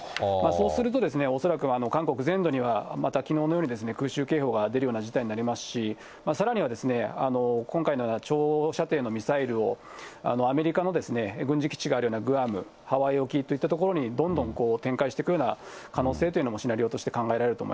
そうすると、恐らく韓国全土には、またきのうのように空襲警報が出るような事態になりますし、さらには今回のような長射程のミサイルをアメリカの軍事基地があるグアム、ハワイ沖といった所に、どんどん展開していくような可能性というのもシナリオとして考え